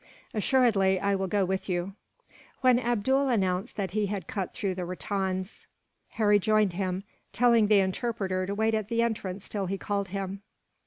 Assuredly I will go with you." When Abdool announced that he had cut through the rattans, Harry joined him, telling the interpreter to wait at the entrance till he called him.